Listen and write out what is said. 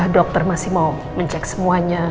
dokter masih mau mencek semuanya